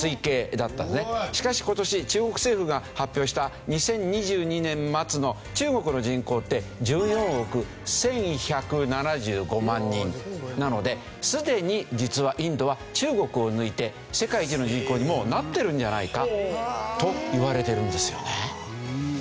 しかし今年中国政府が発表した２０２２年末の中国の人口って１４億１１７５万人なのですでに実はインドは中国を抜いて世界一の人口になってるんじゃないかといわれてるんですよね。